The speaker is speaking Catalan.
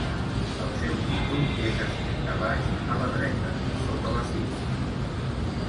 El seu títol és escrit a baix a la dreta, sota la firma.